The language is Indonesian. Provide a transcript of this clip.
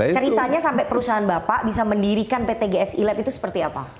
ceritanya sampai perusahaan bapak bisa mendirikan pt gsi lab itu seperti apa